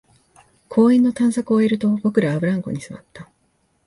公園の探索を終えると、僕らはブランコに座った